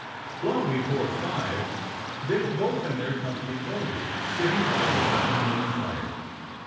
Long before five, they were both in their com pany clothes, sitting by the dining room fire.